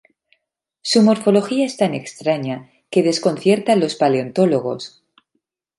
Su morfología es tan extraña que desconcierta a los paleontólogos.